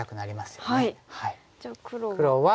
じゃあ黒は。